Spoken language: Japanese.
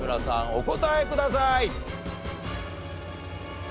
お答えください。